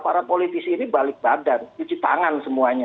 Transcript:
para politisi ini balik badan cuci tangan semuanya